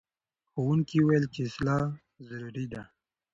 ښوونکي وویل چې اصلاح ضروري ده.